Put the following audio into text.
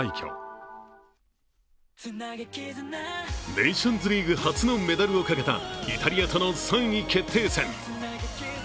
ネーションズリーグ初のメダルをかけたイタリアとの３位決定戦。